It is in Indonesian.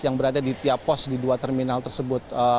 yang berada di tiap pos di dua terminal tersebut